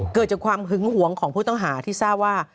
เกิดจากความหึงหวงของผู้ต้องหาที่ทราบว่า